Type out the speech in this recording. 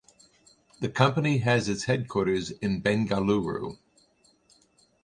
The company has its headquarters in Bengaluru.